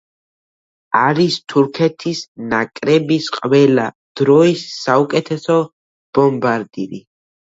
არის თურქეთის ნაკრების ყველა დროის საუკეთესო ბომბარდირი.